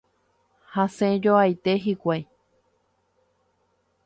Hasẽjoaite hikuái.